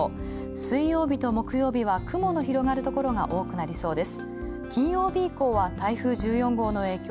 水曜日と木曜日は雲の広がるところがところが多くなりそうです。